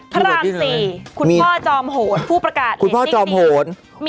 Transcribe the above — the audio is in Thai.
พระราม๔คุณพ่อจอมโหนผู้ประกาศเหล่านี้สินะ